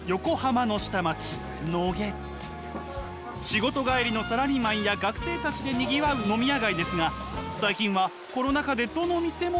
仕事帰りのサラリーマンや学生たちでにぎわう飲み屋街ですが最近はコロナ禍でどの店も大変なようです。